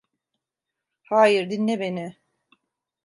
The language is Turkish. Hayır, dinle beni.